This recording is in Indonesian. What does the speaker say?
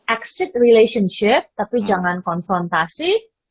exit relationship tapi jangan konfrontasi